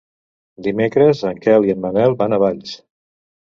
Dimecres en Quel i en Manel van a Valls.